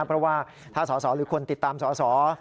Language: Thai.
เพราะว่าถ้าสอสอหรือคนติดตามสอสอ